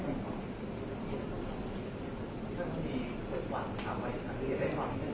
แต่ว่าไม่มีปรากฏว่าถ้าเกิดคนให้ยาที่๓๑